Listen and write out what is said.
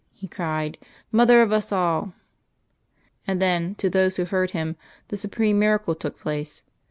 he cried. "Mother of us all " And then, to those who heard Him, the supreme miracle took place....